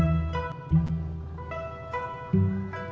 gak ada apa apa